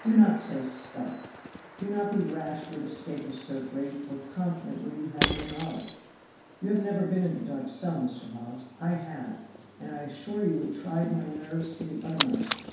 "Do not say stuff! Do not be rash where the stake is so great, or confident where you have no knowledge. You have never been in the dark cell, Mr. Hawes; I have, and I assure you it tried my nerves to the uttermost.